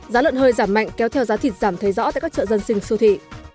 giá lợn hơi giảm mạnh kéo theo giá thịt giảm thấy rõ tại các chợ dân sinh siêu thị